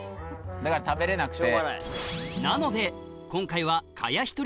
だから食べれなくて。